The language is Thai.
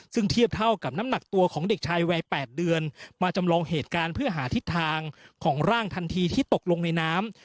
ซึ่งเทียบเท่ากับน้ำหนักตัวของเด็กชายวัย๘เดือนมาจำลองเหตุการณ์เพื่อหาทิศทางของร่างทันทีที่ตกลงในน้ำ